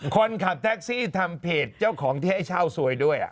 คนขับแท็กซี่ทำเพจเจ้าของที่ให้เช่าซวยด้วย